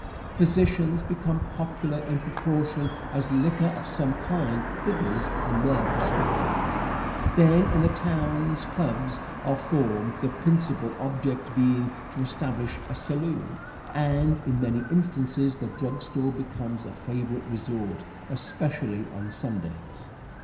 Physicians become popular in proportion as liquor of some kind figures in their prescriptions. Then in the towns clubs are formed, the principal object being to establish a saloon, and in many instances the drug store becomes a favorite resort, especially on Sundays.